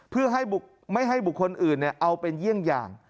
เพื่อไม่ให้บุคคลอื่นเอาเป็นเยี่ยงอย่าง